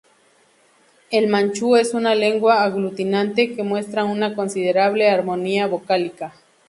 El manchú es una lengua aglutinante, que muestra una considerable armonía vocálica.